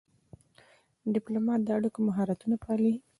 ډيپلومات د اړیکو مهارتونه پالي.